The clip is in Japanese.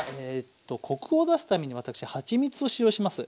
コクを出すために私はちみつを使用します。